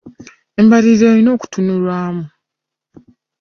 Embalirira erina okutunulwamu.